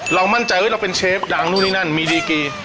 มั่นใจว่าเราเป็นเชฟดังนู่นนี่นั่นมีดีกี